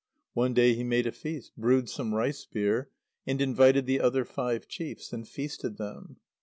One day he made a feast, brewed some rice beer, and invited the other five chiefs, and feasted them.